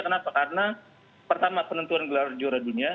kenapa karena pertama penentuan gelar juara dunia